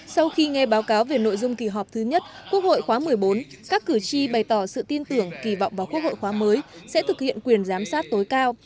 sau khi nghe báo cáo về nội dung kỳ họp thứ nhất quốc hội khóa một mươi bốn các cử tri bày tỏ sự tin tưởng kỳ vọng vào quốc hội khóa mới sẽ thực hiện quyền giám sát tối cao